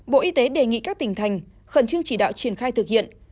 bộ y tế đề nghị các tỉnh thành khẩn trương chỉ đạo triển khai thực hiện